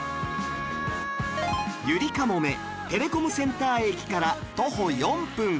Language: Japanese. ゆりかもめテレコムセンター駅から徒歩４分